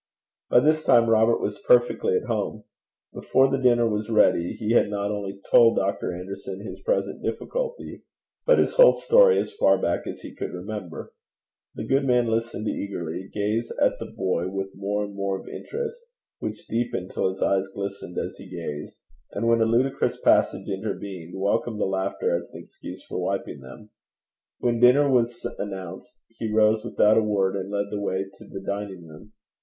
By this time Robert was perfectly at home. Before the dinner was ready he had not only told Dr. Anderson his present difficulty, but his whole story as far back as he could remember. The good man listened eagerly, gazed at the boy with more and more of interest, which deepened till his eyes glistened as he gazed, and when a ludicrous passage intervened, welcomed the laughter as an excuse for wiping them. When dinner was announced, he rose without a word and led the way to the dining room.